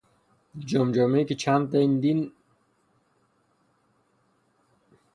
جمجمهای که چندین دهه ناشناخته مانده بود.